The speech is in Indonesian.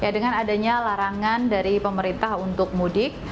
dengan adanya larangan dari pemerintah untuk mudik